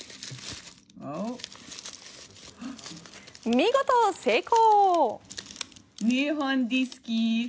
見事、成功。